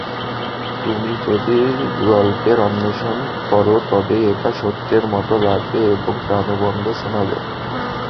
তুমি যদি গল্পের অন্বেষণ কর, তবেই এটা সত্যের মতো লাগবে এবং প্রানবন্ত শোনাবে।